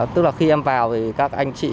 tức là khi em vào thì các anh chị